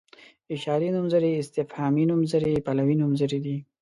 اشاري نومځري استفهامي نومځري پلوي نومځري دي.